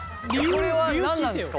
これは何なんですか？